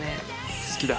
「好きだ」